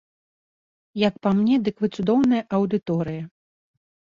Як па мне, дык вы цудоўная аўдыторыя.